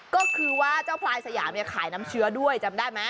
ก็คือว่าเจ้าพลายสยามเนี่ยขายน้ำเชื้อด้วยจำได้ไหม